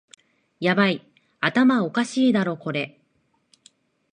ヤバい、頭おかしいだろこれ